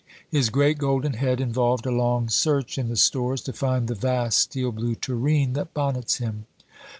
His great golden head involved a long search in the stores to find the vast steel blue tureen that bonnets him.